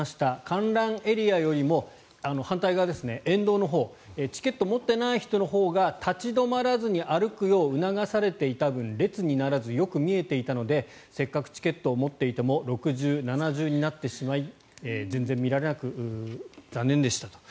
観覧エリアよりも反対側、沿道のほうチケットを持っていない人のほうが立ち止まらずに歩くよう促されていた分列にならずよく見えていたのでせっかくチケットを持っていても六重、七重になってしまい全然見られなく、残念でしたと。